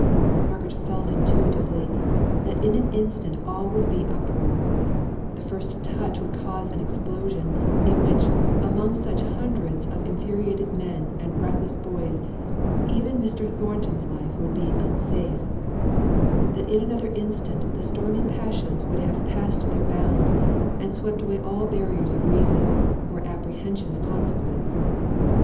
Margaret felt intuitively, that in an instant all would be uproar; the first touch would cause an explosion, in which, among such hundreds of infuriated men and reckless boys, even Mr. Thornton's life would be unsafe, that in another instant the stormy passions would have passed their bounds, and swept away all barriers of reason, or apprehension of consequence.